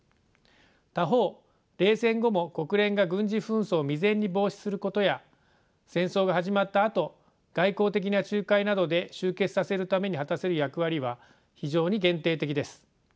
他方冷戦後も国連が軍事紛争を未然に防止することや戦争が始まったあと外交的な仲介などで終結させるために果たせる役割は非常に限定的です。